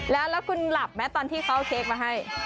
แล้วคุณหลับไหมตอนที่เขาเอาเค้กมาให้